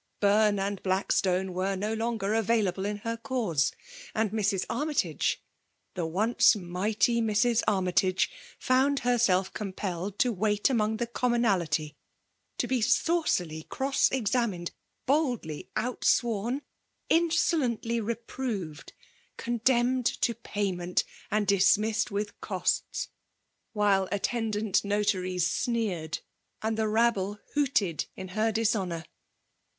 Burn and Blackstone wave no longer available in her cause; and lira. Armytage, the once mighty Mrs. Armytage, found herself compelled to wait among the commonalty ;— to be saucily cross eizamined* — boldly out sworn, — ^inscdently reproved; — eatt demned to payment, and dismissed widi ooBta; while attendant notaries sneered, and the FEU ALE DOMINATION. 335 mbbliB hooted in her dishonour